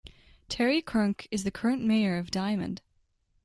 Terry Kernc is the current mayor of Diamond.